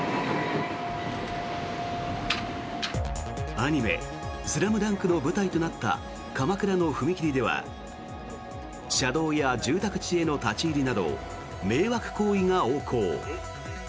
アニメ「ＳＬＡＭＤＵＮＫ」の舞台となった鎌倉の踏切では車道や住宅地への立ち入りなど迷惑行為が横行。